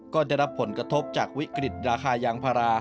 ก็ได้รับผลกระทบจากวิกฤตราคายางพารา